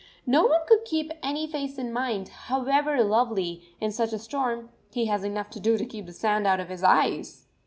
No one could keep any face in mind, however lovely, in such a storm, he has enough to do to keep the sand out of his eyes!...